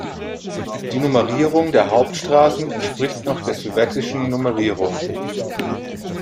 Die Nummerierung der Hauptstraßen entspricht noch der sowjetischen Nummerierung.